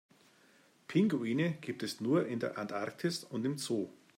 Pinguine gibt es nur in der Antarktis und im Zoo.